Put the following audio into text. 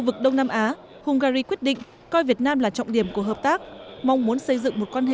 vực đông nam á hungary quyết định coi việt nam là trọng điểm của hợp tác mong muốn xây dựng một quan hệ